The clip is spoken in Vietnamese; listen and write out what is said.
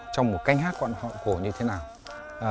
trong một canh hát quan họ cổ như thế nào